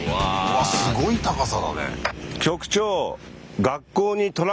わっすごい高さだね。